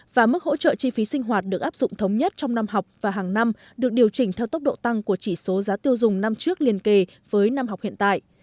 và mức hỗ trợ chi phí sinh hoạt được áp dụng thống nhất trong năm học và hàng năm được điều chỉnh theo tốc độ tăng của chỉ số giá tiêu dùng năm trước liên kề với năm học hiện tại